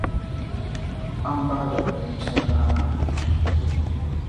An bada abincin rana.